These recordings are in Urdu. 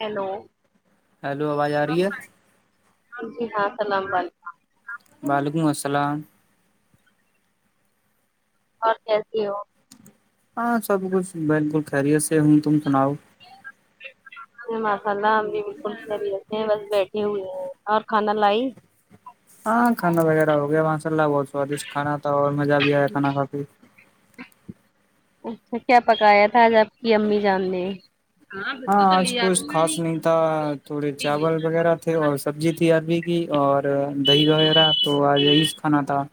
ہیلو ہیلو آواز آ رہی ہے ہاں جی ہاں السلام علیکم وعلیکم السلام آپ کیسے ہو ہاں سب کچھ بالکل خیریت سے ہوں تم سناؤ ماشاء اللہ ہم بھی بلکل خریت سے ہیں بس بیٹھی ہوئی ہو ں اور کھانا لائی ہاں کھانا وغیرہ ہو گیا ماشاء اللہ بہت سوادشٹ کھانا تھا اور مزہ بھی آیا کھانا کھا کے اچھا کیا پکایا تھا آپ کی امی جان ہاں آج کچھ خاص نہیں تھا تھوڑے چاول وغیرہ تھے اور سبزی تھی اروی تھی اور دہی وغیرہ تو آج رئیس کھانا تھا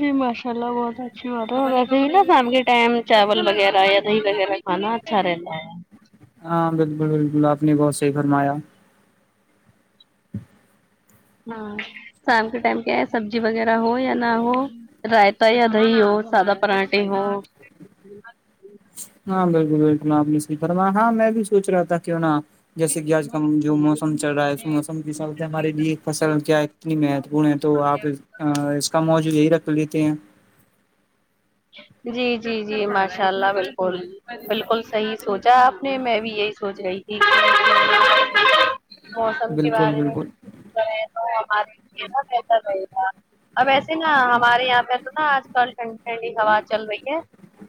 جی ماشا اللہ بہت اچھی بات ہے اور ویسے ہی نا شام کے ٹائم چاول وغیرہ یا دہی وغیرہ کھانا اچھا رہتا ہے ہاں بلکل بلکل آپ نے بہت صحیح فرمایا ہاں شام کے ٹائم کیا ہے سبزی وغیرہ ہو یا نہ ہو رائتا یا دہی ہو سادہ پراٹھے ہو ہاں بالکل بالکل آپ نے صحیح فرما ہاں میں بھی سوچ رہا تھا کیوں نہ جیسے کہ آج کا جو موسم چل رہا ہے اس موسم کے حساب سے ہمارے لیے فصل کیا ہے اتنی مہتوپورن ہے تو آپ اس کا موجو یہی رکھ لیتے ہیں جی جی جی ماشاء اللہ بالکل بالکل صحیح سوچا آپ نے میں بھی یہی سوچ رہی تھی موسم کے بالکل بارے میں بالکل [unintelligible] اب ویسے نا ہمارے یہاں پہ تو نا آج کل ٹھنڈی ٹھنڈی ہوا چل رہی ہے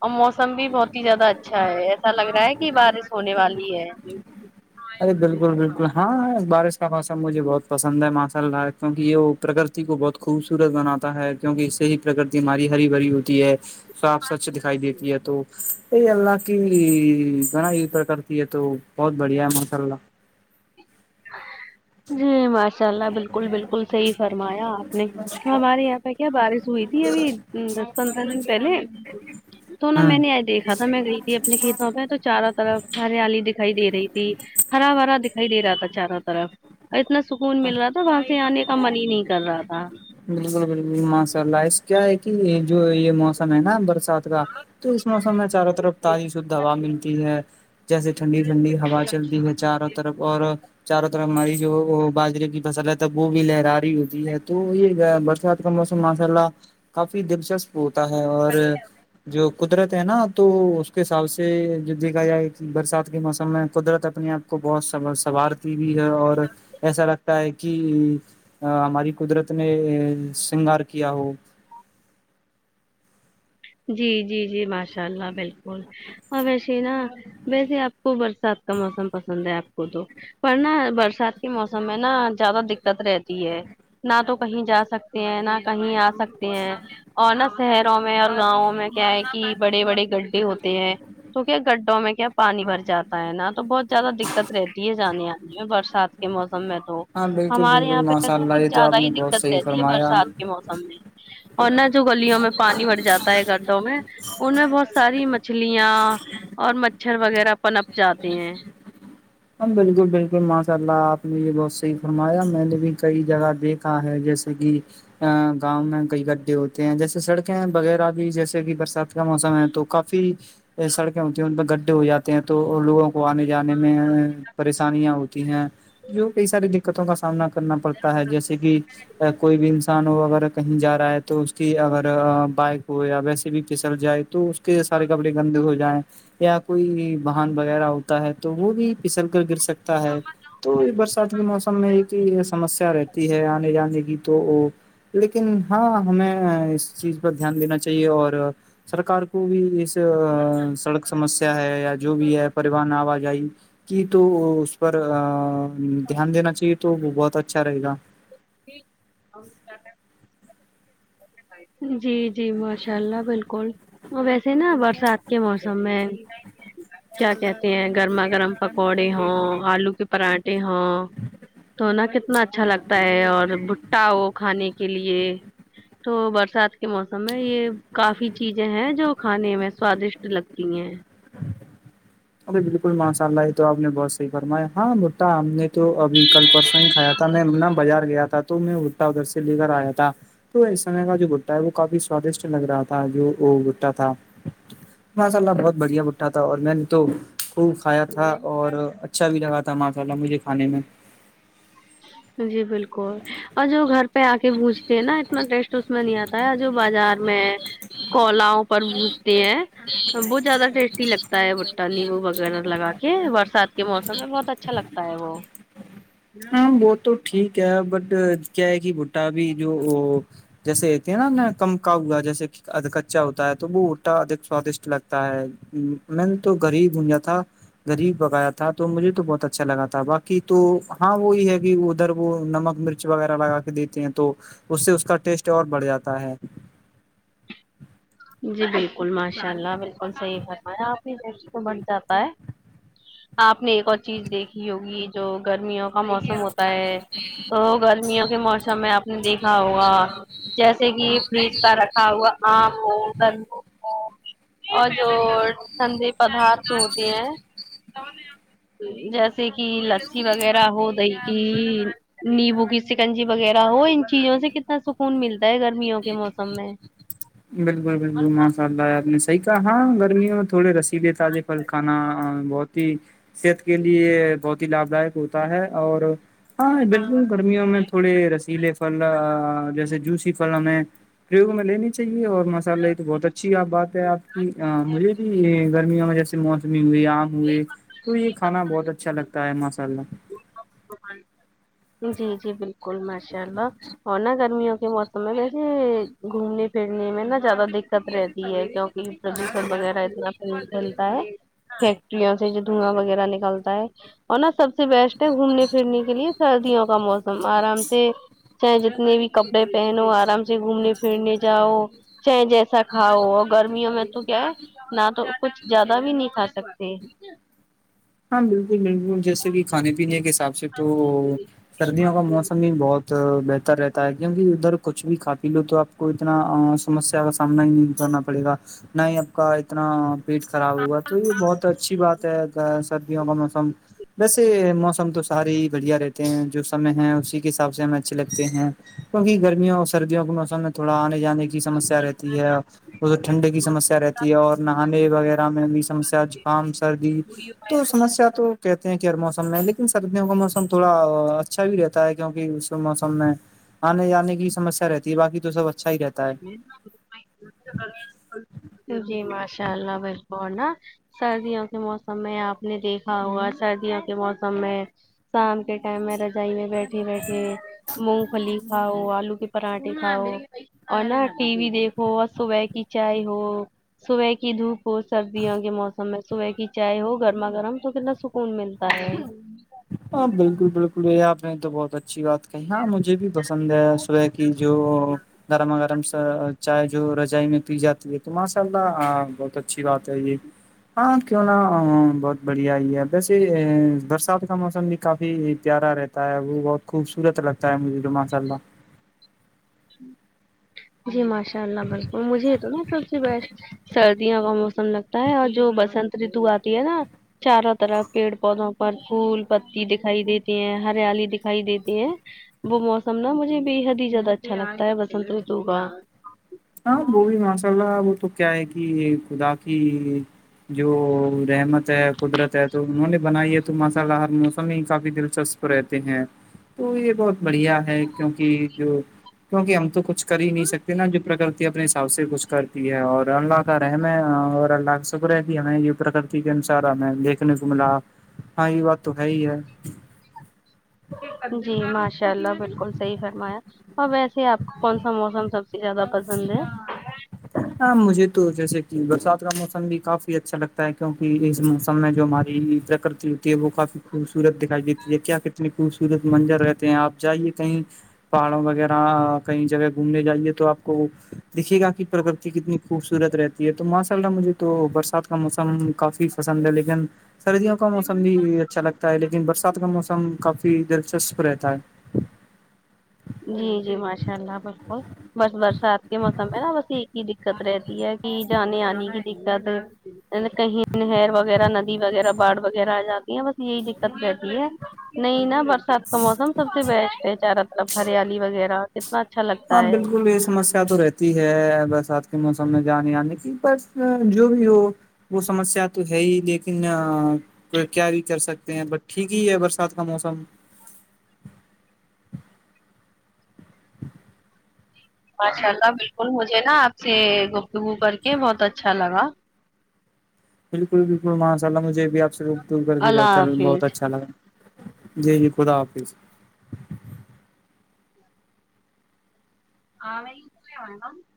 اور موسم بھی بہت ہی زیادہ اچھا ہے ایسا لگ رہا ہے کہ بارش ہونے والی ہے ارے بالکل بالکل ہاں بارش کا موسم مجھے بہت پسند ہے ماشاء اللہ کیونکہ یہ پرگتی کو بہت خوبصورت بناتا ہے کیونکہ اس سے ہی پرگتی ہماری ہری بھری ہوتی ہے صاف سچ دکھائی دیتی ہے تو یہی اللہ کی بڑای پر کرتی ہے تو بہت بڑھیا ہے ماشاء اللہ جی ماشاء اللہ بالکل بالکل صحیح فرمایا آپ نے ہمارے یہاں پہ کیا بارش ہوئی تھی ابھی دس پندرہ دن پہلے تو نہا میں ہوں نہیں ایڈٹ دھا تھا میں گئی تھی اپنے کھیتوں پہ تو چاروں طرف ہریالی دکھائی دے رہی تھی ہرا برا دکھائی دے رہا تھا چاروں طرف اور اتنا سکون مل رہا تھا وہاں سے آنے کا من ہی نہیں کر رہا تھا بالکل بالکل ماشاء اللہ کیا ہے کہ یہ جو یہ موسم ہے نا برس کا تو اس موسم میں چاروں طرف تازی شدھ ہوا ملتی ہے جیسے ٹھنڈی ٹھنڈی ہوا چلتی ہے چاروں طرف اور چاروں طرف ہماری جو وہ باجرے کی فصل ہے تب وہ بھی لہراری ہوتی ہے تو یہ برسات کا موسم ماشاء اللہ کافی دلچسپ ہوتا ہے اور جو قدرت ہے نا تو اس کے حساب سے جو دیکھا جائے کہ برسات کے موسم میں قدرت اپنے آپ کو بہت سوارتی بھی ہے اور ایسا لگتا ہے کہ کہ ہماری قدرت نے سنگار کیا ہو جی جی جی ماشاء اللہ بالکل اور ویسے نا ویسے آپ کو برسات کا موسم پسند ہے آپ کو تو پر نا برسات کے موسم میں نا زیادہ دقت رہتی ہے نہ تو کہیں جا سکتے ہیں نہ کہیں آ سکتے ہیں اور نہ شہروں میں اور گاؤں میں کیا ہے کہ بڑے بڑے گڈھے ہوتے ہیں تو کیا گڈھوں میں کیا پانی بھر جاتا ہے نا تو بہت زیادہ دقت رہتی ہے جانے آنے میں برسات کے موسم میں تو ہاں بالکل ہمارے بالکل یہاں پہ ماشاء تو اللہ کچھ یہ آپ زیادہ ہی نے بہت دقت صحیح رہتی ہے فرمایا برسات کے موسم میں اور نہ جو گلیوں میں پانی بھر جاتا ہے گڈھوں میں ان میں بہت ساری مچھلیاں اور مچھر وغیرہ پنپ جاتے ہیں ہاں بالکل بالکل ماشاء اللہ آپ نے یہ بہت صحیح فرمایا میں نے بھی کئی جگہ دیکھ کا ہے جیسے کہ گاؤں میں کئی گڈھے ہوتے ہیں جیسے سڑکیں وغیرہ بھی جیسے کہ برسات کا موسم ہے تو کافی فی سڑکیں ہوتی ہیں ان پہ گڈھے ہو جاتے ہیں تو لوگوں کو وہ آنے جانے میں پریشانیاں ہوتی ہیں جو کئی ساری د دقتوں کا سامنا کرنا پڑتا ہے جیسے کہ کوئی بھی انسان ہو اگر کہیں جا رہا ہے تو اس کی اگر بائک ہو یا ویسے بھی پھسل جائے تو اس کے سارے کپڑے گندے ہو جائیں یا کوئی بہن وغیرہ ہوتا ہے تو وہ بھی پھسل کر گر سکتا ہے تو برسات کے موسم میں یہ سمسیا رہتی ہے آنے جانے کی تو وہ لیکن ہاں ہمیں اس چیز پر دھیان دینا چاہیے اور سرکار کو بھی اس سڑک سمسیا ہے یا جو بھی ہے پریون آوجائی کہ تو اس پر دھیان دینا چاہیے تو وہ بہت اچھا رہے گا ج [unintelligible] جی جی ماشاء اللہ بالکل ویسے نا برسات کے موسم میں کیا کہتے ہیں گرما گرم پکوڑے ہوں آلو کے پراٹھے ہوں توونا کتنا اچھا لگتا ہے اور بھٹا ہو کھانے کے لیے تو برسات کے موسم میں یہ کافی چیزیں ہیں جو کھانے میں سوادشٹ لگتی ہیں ارے بالکل ماشاء اللہ یہ تو آپ نے بت صحیح فرمایا ہاں بٹا ہم نے تو ابھی کل پرسوں انی کھایا تھا میں ن بازار گیا تھا تو میں بھٹا ادھر سے لے کر آیا تھا تو اس سمے کا جو گٹا ہے وہ کافی سوادشٹ لگ رہا تھا جو وہ بٹا تھا ماشا اللہ بہت بڑھیا بٹھا تھا اور میں نے تو خوب کھایا تھا اور اچھا بھی لگا تھا ماشاء اللہ مجھے کھانے میں جی بالکل اور جو گھر پہ آک پونجتے ہیں نا اتنا ٹیسٹ اس میں نہیں آتا ہوتا جو بازار میں کولاؤ پر بونجتے ہیں بہت زیادہ ٹیسٹی لگتا ہے بھٹا نمبو وغیرہ لگا کے برسات کے موسم میں بہت اچھا اچھا لگتا ہے وہ ہاں وہ تو ٹھیک ہے بٹ کیا ہے کہ بٹا بھی جو وہ جیسے ہوتی ہیں نا ن کمکا ہوا جیسے کہدھ کچا ہوتا ہے تو وہ اٹا اک سوادشٹ لگتا ہے میں نے تو غریب گونجا تھا غریب بغایا تھا تو مجھے تو بہت اچھا لگا تھا باقی تو ہاں وہی ہے کہ ادھر وہ نمک مرچ وغیرہ لگا کے دیتے ہیں تو اس سے اس کا ٹیسٹ اور بڑھ جاتا ہے جی بالکل ماشاء اللہ بالکل صحیح فرمایا آپ نہیں [unintelligible] بٹ جاتا ہے آپ نے ایک اور چیز دیکھی ہوگی جو گرمیوں وہا موسم ہوتا ہے تو گرمیوں کے موسم میں آپ نے دیکھا ہوگا جیسے کہ یہ فریج کا رکھا ہوا آم [unintelligible] ٹندے پدارت ہوتے ہیں جیسے جیسے کہ لسی وغیرہ ہو گئی نیبو کی سکنجی وغیرہ ہو ان چیزوں سے کتنا سکون ملتا ہے گرمیوں کے موسم میں بالکل بالکل ماشاء اللہ آپ نے صحیح کہا ہا گرمیوں میں تھوڑ رسی دے تازہ پل کھانا بہت ہی صحت کے لیے بہت ہی لابھ دائک ہوتا ہے اور ہاں بالکل گرمیوں میں تھوڑے رسیلے پھل جیسے جوسی میں پری میں لینی چاہیے اور مسالے یہ تو بہت اچھا اچھی آپ بات ہے آپ کی مجھے بھی گرمیوں میں جیسے موسمی ہوئے آم ہوئے تو یہ کھانا بہت اچھا لگتا ہے ماشاء اللہ جی جی بالکل ماشاء اللہ اور ہو نا گرمیوں کے موسم تو میں ویسے گھومنے پھرنے میں نا زیادہ دقت رہتی ہے کیونکہ پردوشن وغیرہ اتنا کھیلتا ہے فیکٹریوں سے جو دھواں وغیرہ نکلتا ہے اور نہ سب سب سے بیسٹ ہے گھومنے پھرنے کے لیے سردیوں کا موسم آرام سے چاہے جتنے بھی کپڑے پہنو آرام سے گھومنے پھرنے جاؤ چاہے جیسا کھاؤ گرمیوں میں تو کیا ہے نہ تو کچھ زیادہ بھی نہیں کھا سکتے ہاں بلکل بلکل جیسے کہ کھانے پینے کے حساب سے تو سردیوں کا موسم بھی بہت بہتر رہتا ہے کیونکہ ادھر کچھ بھی کھا پی لو تو آپ کو اتنا سمسیا کا سامنا ہی نہیں کرنا پڑے گا نہیں آپ کا اتنا پیٹ خراب ہوگا تو یہ بہت اچھی بات ہے سردیوں کا موسم ویسے موسم تو سارے ہی بڑھیا رہتے ہیں جو سمے ہیں اسی کے حساب سے ہمیں اچھے لگتے ہیں کیونکہ گرمیوں اور سردیوں کے موسم میں تھوڑا آنے جانے کی سمسیا رہتی ہے وہ ٹھنڈے کی سمسیا رہتی ہے اور نہانے وغیرہ میں بھی سمسیا زکام سردی تو سمسیا تو کہتے ہیں کہ ہر موسم میں لیکن سردیوں کا موسم تھوڑا اچھا بھی رہتا ہے کیونکہ اس موسم میں آنے جانے کی سمسیا رہتی ہے باقی تو سب اچھا ہی رہتا ہے جی ماشاء اللہ میرے کو نہ [unintelligible] سردیوں کے موسم میں آپ نے دیکھا ہوا سردیوں کے موسم میں شام کے ٹائم میں رجائی میں بیٹھ بیٹھے بیٹھے مونگ پھلی کھاؤ آلو کے پاڑاٹھے کھاؤ اور نا ٹی وی دیکھو اور نہ صبح کی چائے ہو صبح کی دھوپ ہو سردیوں کے موسم میں صبح کی چائے ہو گرما گرم تو کتنا سکون ملتا سر ہاں بلکل بلکل یہ آپ نے تو بہت اچھی بات کہی ہے مجھے بھی پسند ہے صبح کی جو گرما گرم سا چائے جو رجائی میں پی جاتی ہے تو ماشاء اللہ آپ بہت اچھی بات ہے یہ ہاں کیوں نہ بہت بڑھیا ہی ہے ویسے برسات کا موسم بھی کافی پیارا رہتا ہے وہ بہت خوبصورت لگتا ہے مجھے تو ماشاء اللہ جی ماشاء اللہ بلکل مجھے یہ تو نا سب سے بیسٹ س سردیوں کا موسم لگتا ہے اور جو بسنت رتو آتی ہے نا چاروں طرف پیڑ پودوں پر پھول پتی دکھائی دیتے ہیں ہریالی دکھائی دیتے ہیں وہ موسم نا مجھے بے حد ہی زیادہ اچھا لگتا ہے بسنت رتو کا ہاں وہ بھی ماشاء اللہ وہ تو کیا ہے کہ خدا کی جو رحمت ہے قدرت ہے تو انہوں نے بنائی ہے تو ماشاء اللہ ہر موسم ہی کافی دلچسپ رہتے ہیں تو یہ بہت بڑھیا ہے کیونکہ جو کیونکہ ہم تو کچھ کر ہی نہیں سکتے نا جو پرکرتی اپنے حساب سے کچھ کرتی ہے اور اللہ کا رحم ہے اور اللہ کا شکر ہے کہ ہمیں یہ پرکتی ٹھیک ہے ان سارا میں دیکھنے کو ملا ہاں یہ بات تو ہے ہی ہے جی ماشاء اللہ بلکل صحیح فرمایا اوراں ویسے ہی آپ کو کون سا موسم سب سے زیادہ پسند ہے ہاں مجھے تو جیسے کہ برسات کا موسم بھی کافی اچھا لگتا ہے کیوںکہ اس موسم میں جو ہماری ہوتی ہے وہ کافی خوبصورت دکھائی دیتی ہے کیا کتنے خوبصورت منظر رہتے ہیں آپ جائیے کہیں پہاڑوں وغیرہ کئی جگہ گھومنے جائیے تو آپ کو دیکھے گا کہ پر کتنی خوبصورت رہتی ہے تو ماشاء اللہ مجھے تو برسات کا موسم کافی پسند ہے لیکن سردیوں کا موسم بھی اچھا لگتا ہے لیکن برسات کا موسم کافی دلچسپ رہتا ہے جی جی ماشاء اللہ بلکل بس برسات کے موسم میں نا بس ایک ہی دقت رہتی ہے کہ جانے آنے کی دکت کہیں نہر وغیرہ ندی وغیرہ باڑھ وغیرہ آ جاتی ہے بس یہی دکت رہتی ہے نہیں نا برسات کا موسم سب سے بیسٹ ہے چارا طرف ہریالی وغیرہ کتنا اچھا لگتا ہاں ہے بلکل یہ سمسیا شا تو رہتی ہے برسات کے موسم میں جانے آنے کی بس جو بھی ہو وہ سمسیا تو ہے ہی لیکن کو کیا بھی کر سکتے ہیں بٹ ٹھیک ہی ہے برسات کا موسم ماشاء اللہ بالکل مجھے نا آپ سے گفتگو کر کے بہت اچھا لگا بالکل بالکل ماشاء اللہ مجھے بھی آپ سے گفتگو کر کے اللہ بہت حافظ اچھا لگا جی جی خدا حافظ [unintelligible]